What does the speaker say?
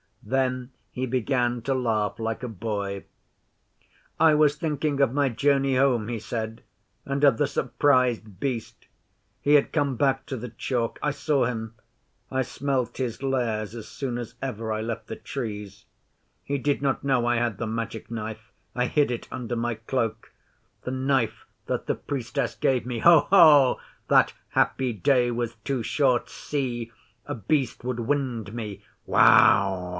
Then he began to laugh like a boy. 'I was thinking of my journey home,' he said, 'and of the surprised Beast. He had come back to the Chalk. I saw him I smelt his lairs as soon as ever I left the Trees. He did not know I had the Magic Knife I hid it under my cloak the Knife that the Priestess gave me. Ho! Ho! That happy day was too short! See! A Beast would wind me. "Wow!"